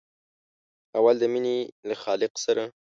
اول د مینې له خالق سره.